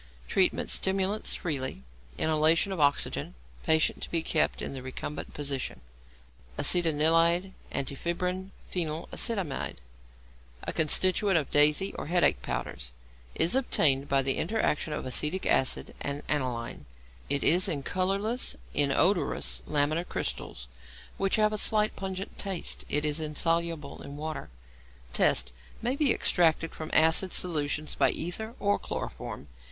Treatment. Stimulants freely, inhalation of oxygen, patient to be kept in the recumbent position. =Acetanilide, Antifebrin, Phenylacetamide= (a constituent of 'Daisy' or 'headache' powders), is obtained by the interaction of acetic acid and aniline. It is in colourless, inodorous, lamellar crystals, which have a slight pungent taste. It is insoluble in water. Tests. May be extracted from acid solutions by ether or chloroform.